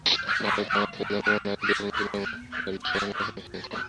ভারতের বাংলা ছবির জনপ্রিয় নায়ক দেব এবার তৃণমূলের হয়ে লোকসভা নির্বাচনে অংশ নিচ্ছেন।